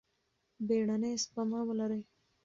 بیړنۍ سپما ولرئ.